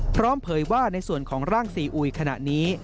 เผยว่าในส่วนของร่างซีอุยขณะนี้